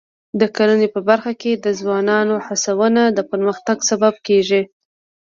د کرنې په برخه کې د ځوانانو هڅونه د پرمختګ سبب کېږي.